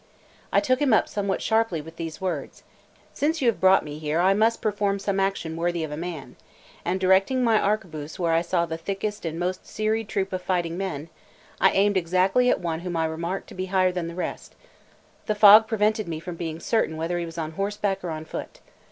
I took him up somewhat sharply with these words: "Since you have brought me here, I must perform some action worthy of a man;" and directing my arquebuse where I saw the thickest and most serried troop of fighting men, I aimed exactly at one whom I remarked to be higher than the rest; the fog prevented me from being certain whether he was on horseback or on foot.